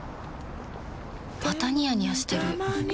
またニヤニヤしてるふふ。